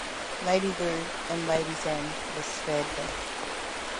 Lady Liu and Lady Zhen were spared death.